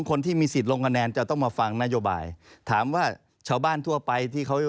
คนที่มีสิทธิ์ลงคะแนนจะต้องมาฟังนโยบายถามว่าชาวบ้านทั่วไปที่เขา